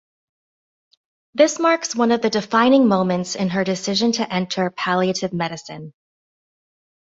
This marks one of the defining moments in her decision to enter palliative medicine.